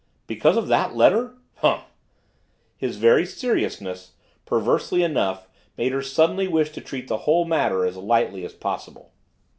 "Because of that letter? Humph!" His very seriousness, perversely enough, made her suddenly wish to treat the whole matter as lightly as possible.